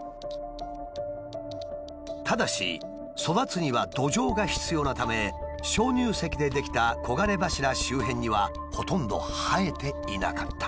ただし育つには土壌が必要なため鍾乳石で出来た黄金柱周辺にはほとんど生えていなかった。